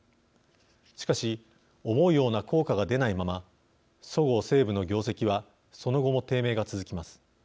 しかし思うような効果が出ないままそごう・西武の業績はその後も低迷が続きます。